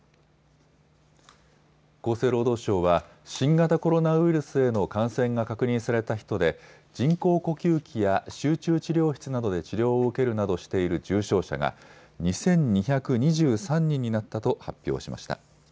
厚生労働省は新型コロナウイルスへの感染が確認された人で人工呼吸器や集中治療室などで治療を受けるなどしている重症者が２２２３人になったと発表しました。